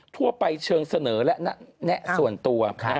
ทั่วไปเชิงเสนอและแนะส่วนตัว